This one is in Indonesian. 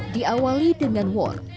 diawali dengan war